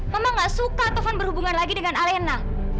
mama gak suka taufan berhubungan lagi dengan alena